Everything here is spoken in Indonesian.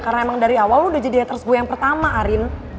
karena emang dari awal lo udah jadi haters gue yang pertama rin